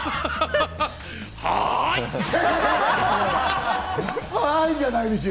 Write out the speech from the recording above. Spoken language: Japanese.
はい！